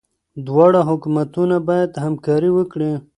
دواړه حکومتونه باید همکاري وکړي.